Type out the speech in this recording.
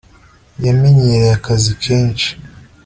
yamenyereye akazi kenshi